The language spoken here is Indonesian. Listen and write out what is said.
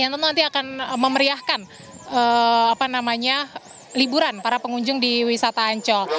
yang tentu nanti akan memeriahkan liburan para pengunjung di wisata ancol